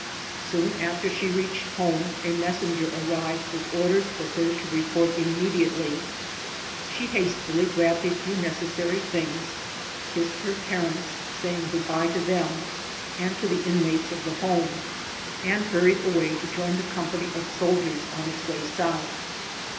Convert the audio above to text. Soon after she reached home, a messenger ar rived with orders for her to report immediately. She hastily grabbed a few necessary things, kissed 98 ] UNSUNG HEROES her parents, saying good bye to them and to the inmates of the home, and hurried away to join the company of soldiers on its way south.